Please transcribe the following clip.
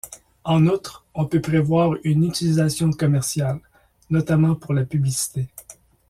En outre, on peut prévoir une utilisation commerciale, notamment pour la publicité.